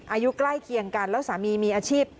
อายุใกล้เคียงกันแล้วสามีมีอาชีพ